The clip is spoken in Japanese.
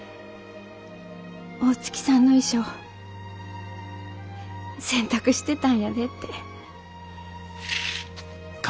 大月さんの衣装洗濯してたんやでって。